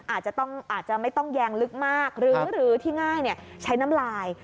อาจจะไม่ต้องแยงลึกมากหรือที่ง่ายใช้น้ำลาย